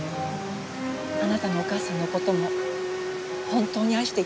あなたのお母さんの事も本当に愛していたんだと思います。